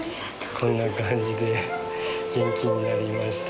こんな感じで元気になりました